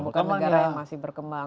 bukan negara yang masih berkembang